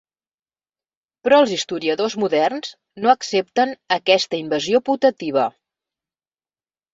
Però els historiadors moderns no accepten aquesta invasió putativa.